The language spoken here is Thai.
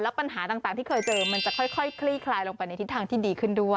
ปัญหาต่างที่เคยเจอมันจะค่อยคลี่คลายลงไปในทิศทางที่ดีขึ้นด้วย